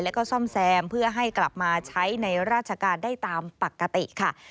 แล้วก็ซ่อมแซมเพื่อให้กลับมาใช้ในราชการได้ตามปกติค่ะ